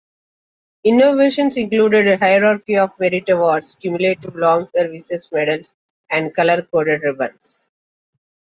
Innovations included a hierarchy of merit awards, cumulative long service medals, and colour-coded ribbons.